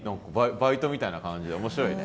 バイトみたいな感じで面白いね。